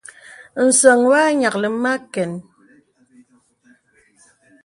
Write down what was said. Nsəŋ wɔ nyìaklì mə àkən.